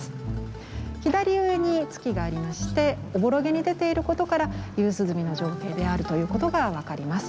左上に月がありましておぼろげに出ていることから夕涼みの情景であるということが分かります。